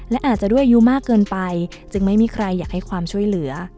และอาจจะด้วยอายุมากเกินไปจึงไม่มีใครอยากให้ความช่วยเหลือ